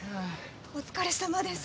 お疲れさまです